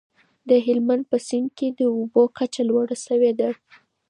د هلمند په سیند کي د اوبو کچه لوړه سوې ده.